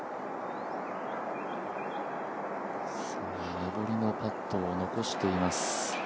上りのパットを残しています。